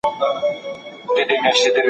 عدل او انصاف د اسلامي نظام بنياد دی.